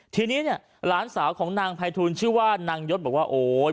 ทีนี้เนี่ยหลานสาวของนางไพทูลชื่อว่านางยศบอกว่าโอ๊ย